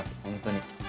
本当に。